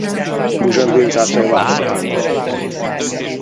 Bougainville zászlaja változatlan maradt.